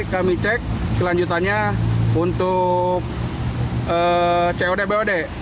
kami cek kelanjutannya untuk cod bod